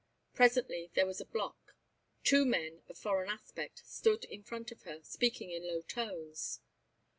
Presently there was a block. Two men, of foreign aspect, stood in front of her, speaking in low tones.